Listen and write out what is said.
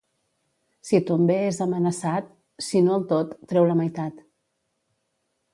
Si ton bé és amenaçat, si no el tot, treu la meitat.